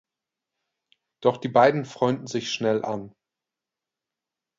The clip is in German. Doch die beiden freunden sich schnell an.